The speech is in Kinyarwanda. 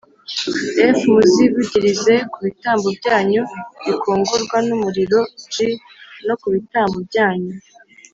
F muzivugirize ku bitambo byanyu bikongorwa n umuriro g no ku bitambo byanyu